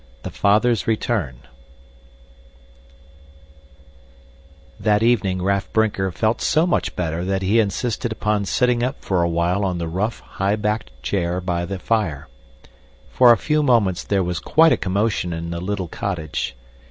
The Father's Return That evening Raff Brinker felt so much better that he insisted upon sitting up for a while on the rough high backed chair by the fire. For a few moments there was quite a commotion in the little cottage.